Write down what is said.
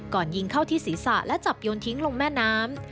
ก่อนยิงเข้าที่ศีรษะและจับโยนทิ้งลงแม่น้ำ